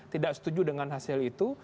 tidak setuju dengan hasil itu